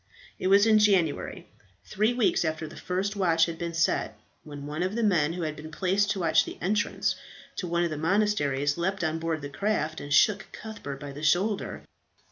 It was in January, three weeks after the first watch had been set, when one of the men who had been placed to watch the entrance to one of the monasteries, leapt on board the craft and shook Cuthbert by the shoulder.